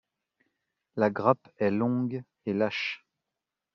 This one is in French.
La grappe est longue et lâche.